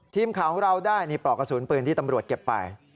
ทีมข่าวของเราได้นี่ปลอกกระสุนปืนที่ตำรวจเก็บไป